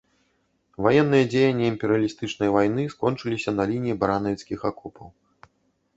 Ваенныя дзеянні імперыялістычнай вайны скончыліся на лініі баранавіцкіх акопаў.